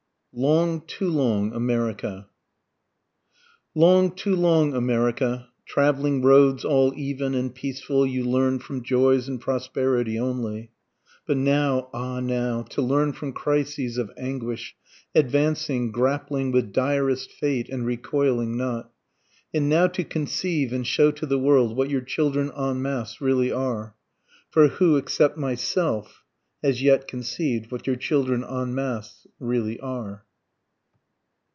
LONG, TOO LONG AMERICA. Long, too long America, Traveling roads all even and peaceful you learn'd from joys and prosperity only, But now, ah now, to learn from crises of anguish, advancing, grappling with direst fate and recoiling not, And now to conceive and show to the world what your children en masse really are, (For who except myself has yet conceiv'd what your children en masse really are?)